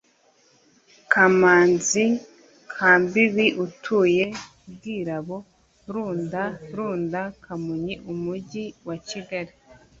Kamanzi Kambibi utuye Bwirabo Runda Runda KamonyiUmujyi wa Kigali